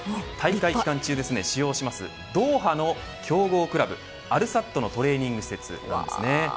大会期間中使用するドーハの強豪クラブアルサッドのトレーニング施設です。